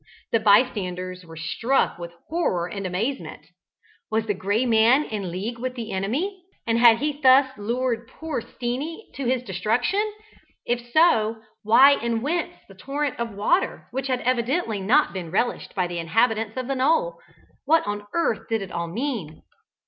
The bystanders were struck with horror and amazement. Was the Gray Man in league with the enemy, and had he thus lured poor Steenie to his destruction? If so why and whence the torrent of water, which had evidently not been relished by the inhabitants of the knoll? What on earth did it all mean?